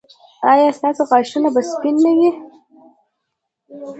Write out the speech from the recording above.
ایا ستاسو غاښونه به سپین نه وي؟